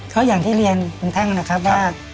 ก็อย่างที่เรียนคุณแท่งนะครับว่า